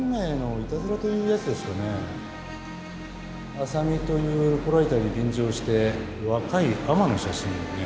浅見というルポライターに便乗して若い海女の写真をね